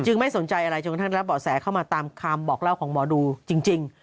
ไม่สนใจอะไรจนกระทั่งรับเบาะแสเข้ามาตามคำบอกเล่าของหมอดูจริง